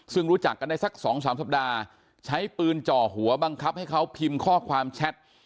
ซึ่งรู้จักกันได้สัก๒๓สัปดาห์ใช้ปืนจ่อหัวบังคับให้เขาพิมพ์ข้อความแชท